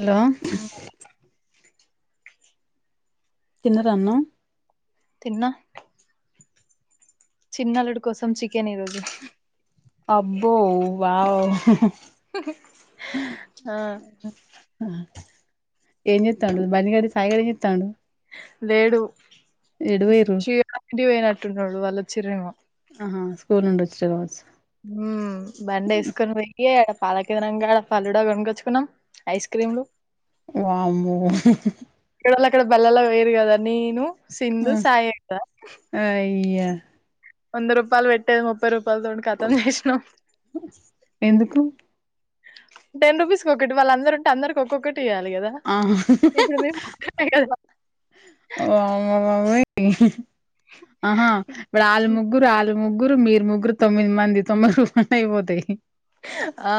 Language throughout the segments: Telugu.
హలో తిన్నారా అన్న తిన్న చిన్నల్లుడు కోసం చికెన్ ఈరోోజు అబ్బో వావ్ [unintelligible] ఆ [inaudible] ఏం చెతాండు బన్నీ గాడు సాయిగడు ఏం చెత్తాండు లేడు చింటు ఇంటికి పోయినట్టున్నాడు వాళ్ళ చిరేమో ఊరినుండి వోచిరేమో ఉ బండి వేసుకొని పోయ పాల కేంద్రం కాడ పల్లుడా కొగొచ్చుకున్నాం ఐస్ క్రీంలు వామ్మో కానీ అక్కడ బల్లలా వయ్యరు కదా నేను సింధు సాయక్కా ఇయ్య వంద రూపాయల్ పెట్టేది ముప్పై రుప్ పదొండి కతం చేసినమ్ ఎందుకు టెన్ రుపీస్కొకటి వాళ్ళందరుంటే అందర్కొకటి ఆ ఒక్కటే కదా ఓ అమ్మ బాబోయ్ ఇంహూ ఆహా ఇప్పుడు ఆళ్ ముగ్గురు ఆళ్ళు ముగ్గురు మీరు ముగ్గురు తొమ్మిది మంది తొంభై రూపాయలయిపోతాయ్ ఆ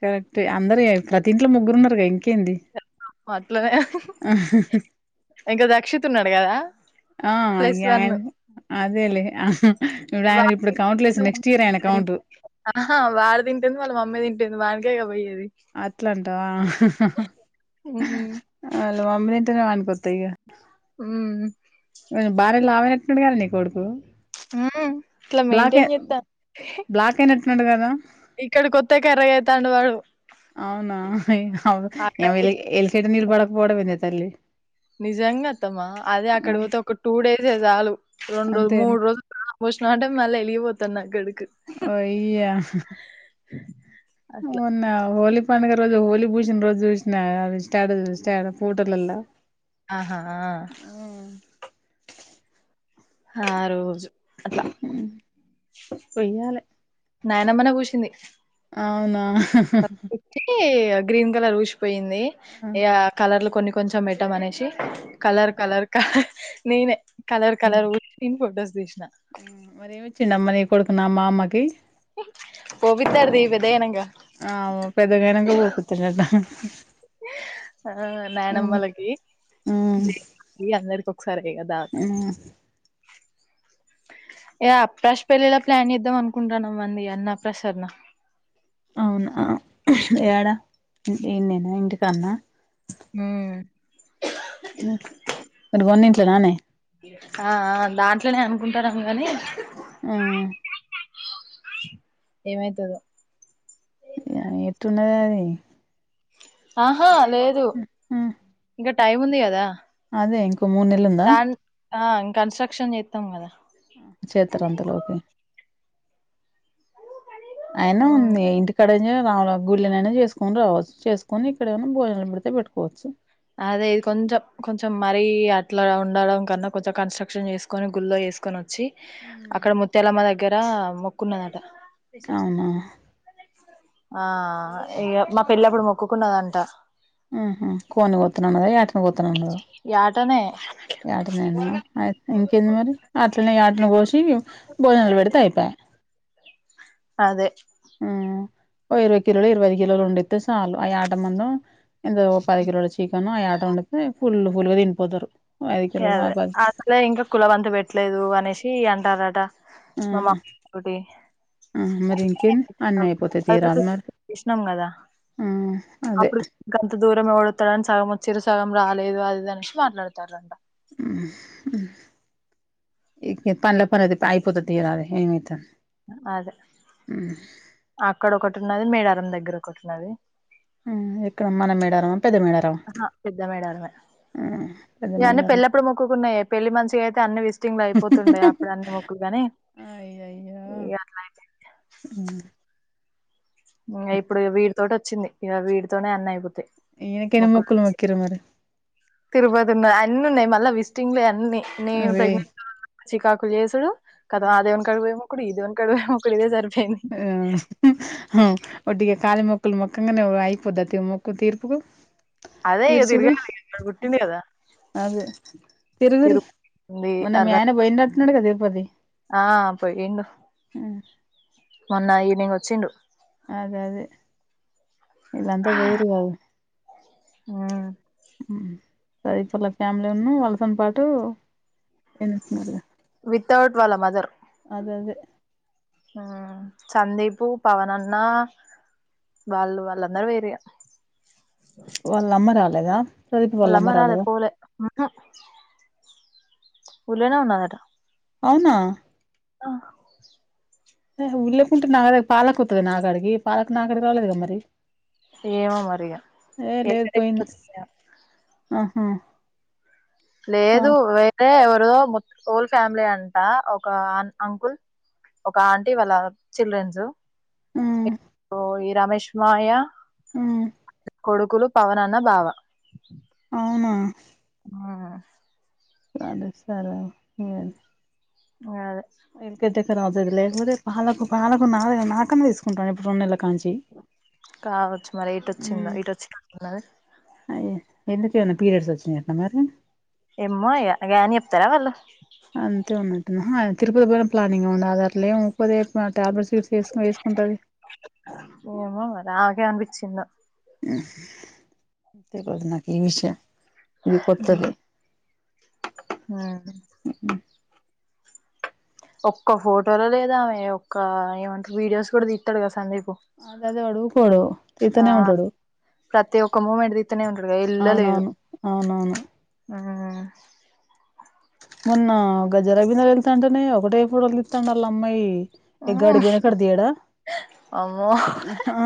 కరెక్టే అందరు ఎ ప్రతి ఇంట్లో ముగ్గురు ఉన్నారుగా ఇం అట్లనే ఇంక రక్షితున్నాడు కదా ఆ ప్లస్ ఇగ ఆయన వన్ను అదేలే ఆయన ఇప్పుడు కౌంట్ లేసి నెక్స్ట్ ఇయర్ ఆయన కౌంట్ ఆహా వాడ్ తింటుంది వాళ్ళ మమ్మీ తింటుంది వాడ్ దెగభై అట్లంటావా హుహు. వాళ్ల మమ్మితింటేనే వానికొత్ త్తెయ్య మ్ఉ కొంచెం బానే లావైనట్టుండు గద నీ కొడుకు ఉమ్ బ్లాక్ ఎ బ్లాక్ అయినట్ న్నడు కదా ఇక్కడ కొత్తే కర్రగా అయితాండు వాడు అవునా ఎలి ఆటోమేటిక్ ఎలికేడ నీల బడకపోవడం ఎందే త తల్లి నిజంగత్తమ్మా అదే ఆ అక్కడ పోతే ఒక టూ డేసే చాలు రెండు అంతేనా మూడు రోజులు బా పోషినామంటే మళ్ళీ ఎలిగిపోత్ తన్నగడు ఒయ్యా అట్లా ఉన్న హోలీ పండుగ రోజు హోలీ పూసిన్రోజు చూసిన స్టాటస్ స్టా ఫోటోలల్ల ఆహా ఆ ఆ రోజు అట్ల వెయ్యాలె నాయనమ్మనెే పూషింది అవునా అహా గ్రీన్ కలర్ ఊష్పోయింది ఇగా కలర్లు కొన్ని కొ కొంచెం పెట్టమనేసి కలర్ కలర్ కలర్ నేనే కలర్ కలర్ ఫోటోస్ మరి ఎమ్ ఇచ్చిండమ్మా నీ కొడుకున్న మామ్మకి పోపితాడ్ తీ పెదగైనక ఆ పెదగైనక పోపితడట ఆ నాయనమ్మలకి జేజీ అందరికి ఒకసారే ఇగ ఏ అప్కాష్ పెళ్ళిలా ప్లాన్ ఇద్దాం అనుకుంటున్నానుమ్మంది అన్నప్రసన్న అవునా యాడ ఈన్నేనా ఇంటికన్నా హుమ్ [unintelligible] తరనే ఆ దాంట్లనే అనుకుంటునం గాని ఆఆ ఏమైతదో ఆ ఏటున్నదది ఆ ఆ లేదు ఇం టైమ్ ఉంది గదా అదే ఓ మొన్నేల్లుందా ఆ కన్స్ట్రక్షన్ జేతం గద చేతర్ అంతలోపె అయిన హ్మ్ ఉంది ఇంటికడ రావలా గుళ్ళనైనా చేసుకొని రావచ్ చేస్కొని ఇక్కడ ఏమైనా భోజనం పెడితే పెట్టుకోవచ్చు అదే ఇది కొంచెం కొంచెం మరీ అట్లా ఉండడం కన్నా కొంచెం కన్స్ట్రక్షన్ చేసుకొని గుళ్ల్లో వేసుకొని వచ్చి అక్కడ ముత్యాలమ్మ దగ్గర ఆ మొకున్నదట అవునా ఆ ఇగ మా పెళ్ళి అప్పుడు మొక్కుకున్నదట ఆహా కోని గొతున ఈ ఆటనే యాటనేనా ఐ ఇంకేంది మరి అట్నే [unintelligible] ఇంకేం భోజనాలు పెడితే అయిపోయి అదే ఓ ఇరవై కిలోలు ఇరవై కిలోలు వండితే చాలు అ యాట మను ఇందులో ఓ పది కిలోల చికెను యా టాళ్లకేం ఫుల్ ఫుల్లుగా తిని పోతరు అదే అసలే ఇంకా కులవంత పెట్టలేదు అనేసి అంటాన్ రట మమా తోటి మ్మ్ మరింకేం అన్ని అయిపోతే తీయరాదనా చేసినాం కదా మ్మ్ అప్పుడు గంత దూరం ఎవడొత్తాడని సగం వచ్చిరిసు సగం రాలేదు అదిదనేసి మాట్లాడతారంట మ్మ్ మ్మ్ పన్ల పనయితే అయిపోతది తీయరాద ఏమైతాది అదే అక్కడ ఒకటి ఉన్నది మేడారం దగ్గర వం కొట్నది మ్ ఇక్కడ మన మేడ ఆ పెద్ద మేడర్మే పెద్ద ఇవన్నీ మేడారం పెళ్ళిప్పుడు మొక్కుకున్నాయి, పెళ్లి మంచిగా అయితే అన్ని విస్టింగ్లు అయిపోతుండయి అప్పుడు అన్ని మొక్కుగాని అయ్యయ్యో ఇ అట్ల అయితే ఇప్పుడు వీడితోటి వచ్చింది ఇక వీడితోనే అన్న అయి నకేన్న మొకులు మొకిర మరి తిరుపతి ఉన్న అన్ని ఉన్నాయి మళ్ళీ విస్టింగ్లు అన్ని నేను అవే ప్రగ్న చికాకు చేసుడు కద అదేవన్ కవ కు ఇదివన్ కడవ మకుళ ఇద సార్ వడ్డీగా కాలి మో మొక్కల మొక్కంగానే అయిపోద్ద మొక్క తీర్పుకు అదే ఇగ తీర్చదు తిరగాలి ఇక్కడ పుట్టిండు కదా అదే తిరుదురి తిరుపతి ఉంది మన్న అర్ధ మ్యాన పొయ చినడుగా తిరుపతి ఆ పోయిండు మొన్న ఈవినింగ్ వచ్చిండు అది అది వీళ్ళంతా పోయిర్రు కదా ఉమ్ హు సది పల ఫ్యామిలీ ఉన్న వాళ్ళసని పాటు ఏస్తున్నారు వితౌట్ వాళ్ళ మదర్ అద అదే ఆ సందీపు పవనన్న వాళ్ళు వాళ్ళందరూ పోయిరిగా వాళ్ళమ్మ రాలేదా ప్రదీప్ వాళ్ళమ్మ రాలే రాలేదా పోలే ఊర్లోనే ఉన్నదట అవునా అహ్ ఊర్లకుంటే నా దగ్గరికి పాలకు వత్తుది నాకాడకి పాల క్ నాకాడికి రాలేదు కదా మరి ఏమో మరి ఇగ ఏ ఏడికి పోయిన గిట్ల వచ్చింది కదా ఆ. లేదు వేరే ఎవర్ రొ హోల ఫ్యామిలీ అంత ఒక అంకుల్ ఆంటీ వాళ్ళ చిల్డ్రన్స్. ఉమ్ ఈ రమేష్ మామయ్య ఉమ్. కొడుకులు పవన్ అన్న బావ. అవునా. ఉమ్. సరే సరే తీయండి. అదే వెంకట అవూతది లేకపోతే పాలకు పాలకు నా నాకన్న తీసుకుంటాడు ఏప్పుడు రెండు నెలకు కావచ్చు మరేటొచ్చిందో. ఇటు వచ్చినట్టు ఉన్నది. అయ్యో ఎందుకు ఏమన్నా పీరియడ్స్ వచ్చినయటన మరి. ఏమో ఇగ గవన్ని చెప్తారా వాళ్ళు. అంతే ఉన్నట్టున్నది. ఆ తిరుపతికి పోవడం కూడా ప్లానింగ్ ఉండాలే అట్లే మూకోదే. ఆ టాబ్లెట్ షీట్స్ వేసుకోనె వేసుకుంటది. చిన్న. తెలవదు నాకు ఏ విషయాలు. ఇది కొత్తది. హామ్. ఇంకో ఫోటోల లేదా ఆమె ఒక్క వీడియోస్ కూడా తీస్తారుగా సందీప్. అందదా వాడు ఊరుకోడు ఆ తిన్నె ఉంటాడు. ప్రతి ఒక్క మూమెంట్ తీస్తూనే ఉంటాడు కదా ఆ. మొన్న గజార బింద అంటుంది కదా ఒకటే ఫోటోలు తీస్తాండు కదా వాళ్ళ అమ్మాయి. ఏ గాడికి పోయిన కాడ తియ్యాడా అమ్మో ఆ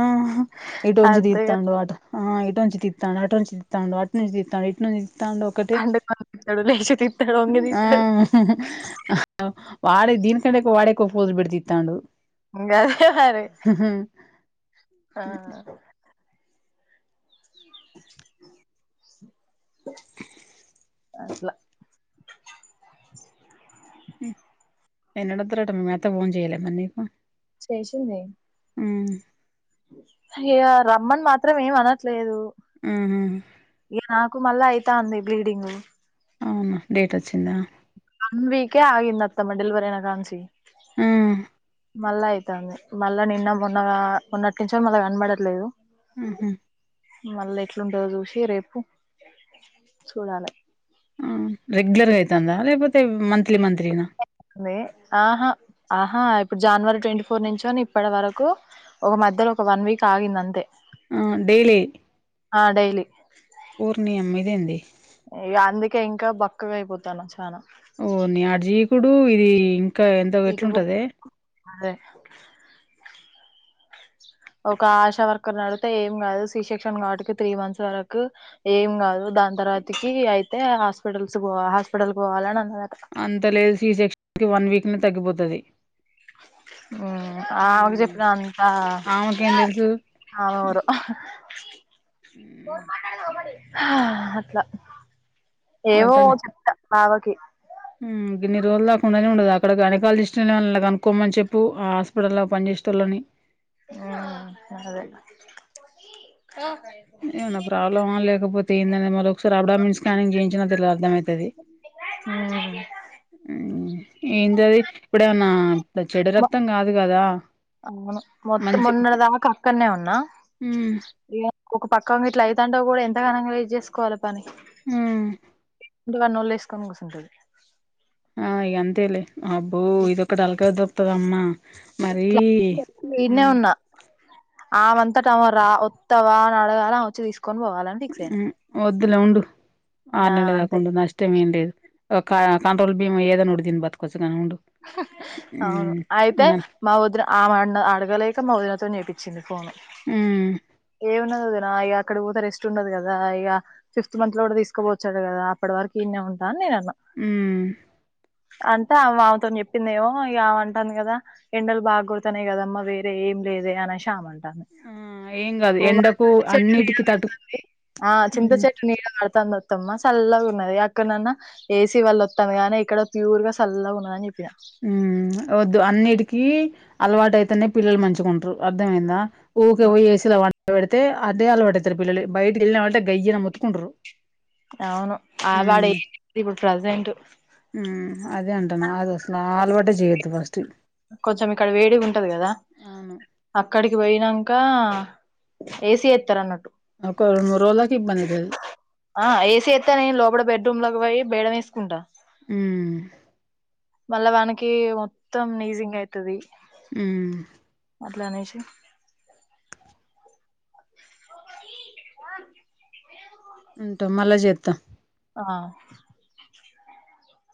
ఎటునుంచి టీ అంతేగా తాండోఅట ఆ ఇటు వంచి తితండు అటు వంచి తితండు అటు నుంచి తితండు ఇటు నుంచి తితండు. పండుకొని తింటడు లేచి తింటడు. ఆ. వాడు దీనికంటే ఎక్కువ వాడే ఫోజులు పెట్టి తితాండు. ంగదివార అట్లా ఎన్నడొస్తారట మరి మీ అత్త ఫోన్ చేయలేదా నీకు. చేసింది. ఉమ్ హే హ రమ్మన్ మాత్రం ఏం అనట్లేదు ఉహు కు మళ్ళా అయ్యితాంది బ్లీడింగ్ అవునా డేట్ వచ్చిందా వన్ వీకే ఆగింది అత్తమ్మా డెలివరీ అయినా కాన్ నుంచి మ్మ్ మళ్ళా అయితాంది మళ్ళా నిన్న మొన్న మొన్నటి నుంచో మళ్ళ కనబడట్లేదు ఉహు మల్ల ఎట్లుంటందో చూసి రేపు చూడాలి ఆ రెగ్యులర్ ఐతందా లేకపో తే మంత్లీ మంత్రినా ఉంది ఆహా ఆహా ఇప్పుడు జనవరి ట్వంటీ ఫోర్ నుంచ అని ఇప్పటి వరకు ఒక మధ్యలో ఒక వన్ వీక్ ఆగింది అంతే ఆ డెయిలీ ఆ డెలీ అమ్మ ఇదేంది ఇగా అందు ఇంకా ఇంకా బక్కగా అయిపోతనావ్ చానా ఓర్ ని ఆడు జీకుడు ఇది ఇంకా ఎందో ఎట్లుంటదే అగే ఒక ఆశా వర్కర్ అడుగుతే ఏం కాదు సి సెక్షన్ కావటికి త్రీ మంత్స్ వరకు ఏం కాదు దాని తర్వాతికి అయితే హాస్పిటల్స్ పో హాస్పిటల్ పోవాలని అన్నది అంత లేదు సి సెక్షన్ కి వన్ వీక్ ఉన్ తగ్గిపోతది ఉమ్ ఆమెకు హ్మ్. చెప్పినంత ఆమెకేం తెలుసు ఆమె ఎవరో హ్మ్. ఆ అట్లా ఏవో చెప్తా ఆ వాకి ఉ గిన్ని రోజుల దాకా ఉండనే ఉండదు అక్కడ గైనకాల్ జస్ట్ ఎవ్వలు నన్న కనుక్కోమని చెప్పు ఆ హాస్పిటల్ల్లో పని చేసేటోళ్ళని ఆ అదే ఏమన్నా ప్రాబ్లమా లేకపోతే దేని దాని మలో ఒకసారి అబ్డామిన్ స్కానింగ్ చేయించినా తెల్ అర్థం ఐతది ఉమ్. ఏంది అది ఇప్పుడేమన్నా చెడు మొ- రక్తం కాదు కదా అవును మొత్తం మంచి మొన్నటి దాకా అక్కనే ఉన్నా మ్మ్ ఒక పక్క గిట్లా ఐతంటే కూడా ఎంత గనంగా ఇది చేసుకోవాలి పని ఉమ్ వాన్ని ఒళ్ళే వేసుకుని కూర్చుంటాది ఆ ఇగా అంతేలే అబ్బో ఇది ఒకటి అలకగా దొర్ ఉత్తదమ్మ ఇట్లా నేను ఈన్నే ఉన్నా ఆ మన్ రా వత్తవా నడగాలే అమె వచ్చి తీసుకు కొన్ వోవాలని ఫిక్స్ ఐన దీన్లా ఉండు ఆరు నెల్ల దాక ఉండు నష్టమేం లేదు ఓం కా కంట్రోల్ బియ్యం ఏదైనా ఒకటి తిని బతుకొ అవును అయితే మ మా వదిన ఆమె అడగలేక మా వదినతోని చేపిచ్చింది ఫోను ఉమ్ ఏమున్నది వదిన ఇయ అక్కడ పోతే రెస్ట్ ఉండదు కదా ఇక ఫిఫ్త్ మంత్ లో కూడా తీసుకోపోచ్చాడు కదా అప్పటి వరకు ఈడనే ఉంటా అని నేను ఊమ్ అంతా అవ్ అవ్ తోని చెప్పిందేమో ఇగ ఆమంటాంది కదా ఎండలు బాగా కొడతున్నాయి కదమ్మా వేరే ఏం లేదే అనేషి ఆమన్ టాంది ఆ ఏం కాదు ఎండకు అన్నిటికి తట్టు ఆ చింత ఉమ్ చెట్టు నీడ పడతాంది అత్తమ్మ సళ్ళగా ఉన్నది గా అక్కడనన్న ఏసీ వల్ల వత్తంది, గానీ ఇక్కడ ప్యూర్ గా సల్లగా ఉన్నద న్ చె. హుమ్ వద్ అన్ని ట్ కి అలవాటు అయితేనే పిల్లలు మంచుకుంటర్ అర్ధమయిందా ఊకే వోయి ఏసీల వన్ పండపెడితే అదే అలవాట్ అయితర్ పిల్లలు, బయట ఎళ్ళినవ్ అంటే గయ్యన్ మొత్తుకుంటారు. అవును ఆవాడ ఉమ్ ఏం ఇప్పుడు ప్రజెంట్ ఉమ్ అదే అంటున్నా అది అసలు ఆ ఆలవాటే చేయొద్దు ఫస్ట్ కొంచం ఇక్కడ వేడి గా ఉంటది కదా, అవును అక్కడికి పోయినా. కా ఏసి ఎత్తర్ అన్నట్ ఒక రెండు మూడు రోజులకి ఇబ్బంది అయితది ఆ ఏసీ ఏతే నే లోపల బెడ్రూమ్ లో కి పోయి బేడ మ్ వేసుకుంటా ఉమ్ మళ్ళ వాన కి మొత్తం నీజింగ్ అయితది హుమ్ లానే శి కోకోని ఆ ఉంటా మళ్ళా చేత ఆ